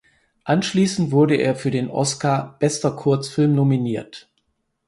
Anschließend wurde er für den Oscar Bester Kurzfilm nominiert.